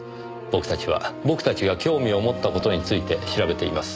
僕たちは僕たちが興味を持った事について調べています。